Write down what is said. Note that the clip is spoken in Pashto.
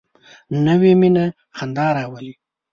نوې مینه خندا راولي